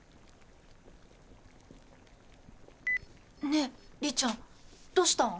ねえ李ちゃんどしたん？